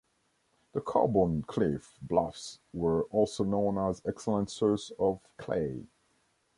The Carbon Cliff bluffs were also known as an excellent source of clay.